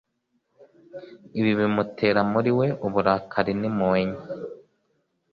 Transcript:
ibi bimutera muri we uburakari n'impuhwe nke,